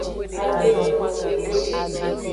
A do mawu de ji.